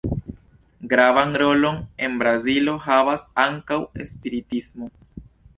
Gravan rolon en Brazilo havas ankaŭ spiritismo.